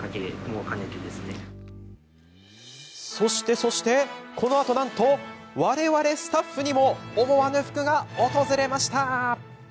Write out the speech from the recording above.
そして、このあとなんと、われわれスタッフにも思わぬ福が訪れました。